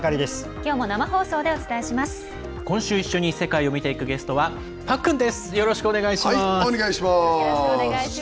今週一緒に世界を見ていくゲストはパックンです。